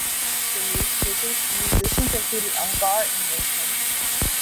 The musicians included Ungar and Mason.